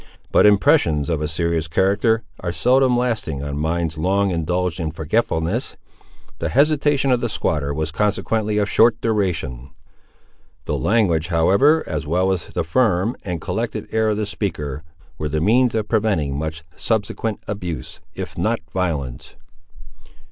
But impressions of a serious character are seldom lasting on minds long indulged in forgetfulness. The hesitation of the squatter was consequently of short duration. The language, however, as well as the firm and collected air of the speaker, were the means of preventing much subsequent abuse, if not violence.